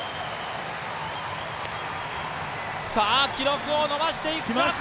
さあ記録を伸ばしていくか。